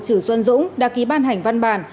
trữ xuân dũng đã ký ban hành văn bản